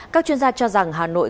các chuyên gia cho rằng hà nội